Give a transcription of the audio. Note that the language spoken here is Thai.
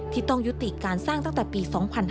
ที่ต้องยุติการสร้างตั้งแต่ปี๒๕๕๙